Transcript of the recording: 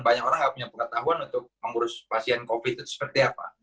banyak orang nggak punya pengetahuan untuk mengurus pasien covid itu seperti apa